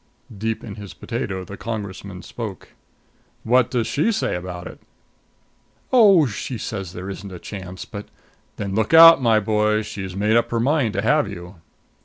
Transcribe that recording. Deep in his potato the Congressman spoke: "What does she say about it?" "Oh, she says there isn't a chance. But " "Then look out, my boy! She's made up her mind to have you."